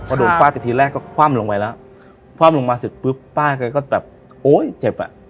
พอโดนฟาดไปทีแรกก็คว่ำลงไปแล้วคว่ำลงมาเสร็จปุ๊บป้าแกก็แบบโอ้ยเจ็บอ่ะ